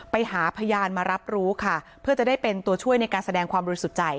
ไปหาพยานมารับรู้ค่ะเพื่อจะได้เป็นตัวช่วยในการแสดงความบริสุทธิ์ใจ